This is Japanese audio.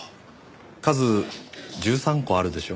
数１３個あるでしょ。